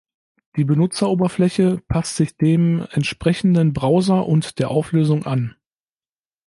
Die Benutzeroberfläche passt sich dem entsprechenden Browser und der Auflösung an.